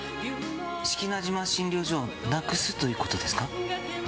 志木那島診療所をなくすということですか。